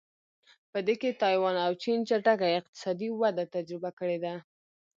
په دې کې تایوان او چین چټکه اقتصادي وده تجربه کړې ده.